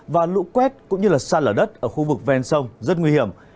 và lũ quét cũng như là săn ở đất ở khu vực ven sông rất nguy hiểm